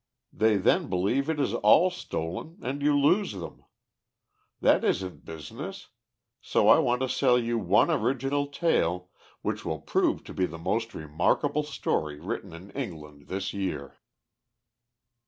They then believe it is all stolen, and you lose them. That isn't business, so I want to sell you one original tale, which will prove to be the most remarkable story written in England this year."